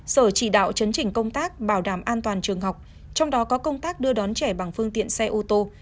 sở chỉ đạo chấn chỉnh công tác bảo đảm an toàn trường học trong đó có công tác đưa đón trẻ bằng phương tiện xe ô tô